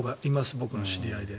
僕の知り合いで。